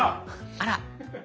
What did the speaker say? あら！